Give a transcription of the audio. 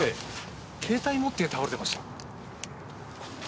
携帯持って倒れてました。